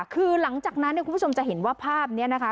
คือหลังจากนั้นเนี่ยคุณผู้ชมจะเห็นว่าภาพนี้นะคะ